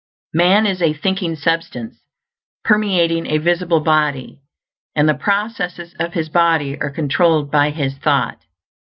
_Man is a thinking substance, permeating a visible body, and the processes of his body are controlled by his thought.